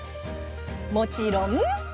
もちろん！